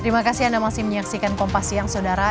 terima kasih anda masih menyaksikan kompas siang saudara